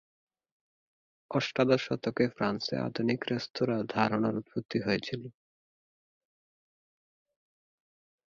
অষ্টাদশ শতকে ফ্রান্সে "আধুনিক রেস্তোরাঁ" ধারণার উৎপত্তি হয়েছিল।